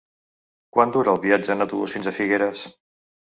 Quant dura el viatge en autobús fins a Figueres?